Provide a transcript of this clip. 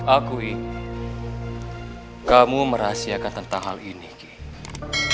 aku ingin kamu merahsiakan tentang hal ini kipurwa